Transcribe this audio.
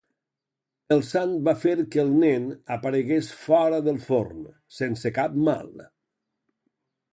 El sant va fer que el nen aparegués fora del forn, sense cap mal.